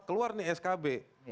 keluar nih skb